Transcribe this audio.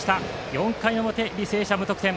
４回の表、履正社は無得点。